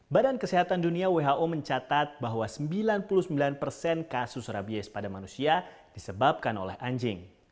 badan kesehatan dunia who mencatat bahwa sembilan puluh sembilan persen kasus rabies pada manusia disebabkan oleh anjing